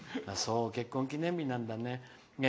結婚記念日なんだね。